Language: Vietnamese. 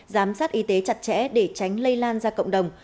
giám sát y tế chặt chẽ để tránh lây lan ra cộng đồng